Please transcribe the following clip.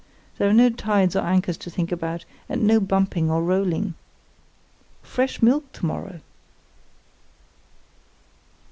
There are no tides or anchors to think about, and no bumping or rolling. Fresh milk to morrow!"